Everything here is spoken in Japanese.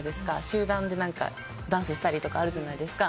集団でダンスしたりとかあるじゃないですか。